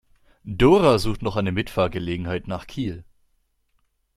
Dora sucht noch eine Mitfahrgelegenheit nach Kiel.